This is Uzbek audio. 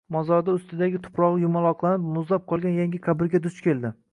Mozorda ustidagi tuprogʻi yumaloqlanib muzlab qolgan yangi qabrga, duch keldi.